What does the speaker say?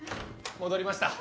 戻りました。